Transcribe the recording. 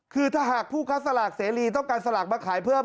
คือถ้าหากผู้ค้าสลากเสรีต้องการสลากมาขายเพิ่ม